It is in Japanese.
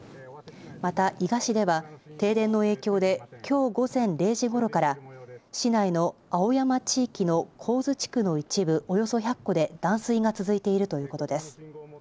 また、伊賀市では停電の影響で、きょう午前０時ごろから市内の青山地域の上津地区の一部、およそ１００戸で断水が続いているということです。